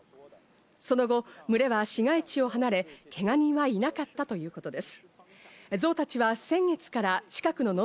その後、群れは市街地を離れ、けが人はいなかったということです。